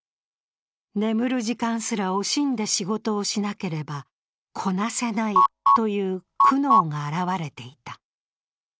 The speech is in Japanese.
眠る時間すら惜しんで仕事をしなければこなせないという苦悩が現れていた。